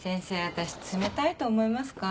私冷たいと思いますか？